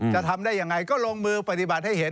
จะทำได้ยังไงก็ลงมือปฏิบัติให้เห็น